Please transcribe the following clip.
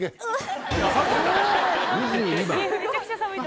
２２番。